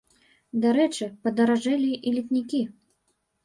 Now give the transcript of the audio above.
Дарэчы, падаражэлі і летнікі.